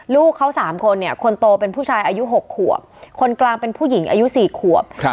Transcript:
ลูกเขา๓คนเนี่ยคนโตเป็นผู้ชายอายุ๖ขวบคนกลางเป็นผู้หญิงอายุ๔ขวบ